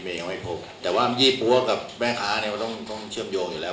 ยังไม่พบแต่ว่ายี่ปั๊วกับแม่ค้าเนี่ยมันต้องต้องเชื่อมโยงอยู่แล้ว